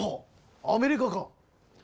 アメリカか！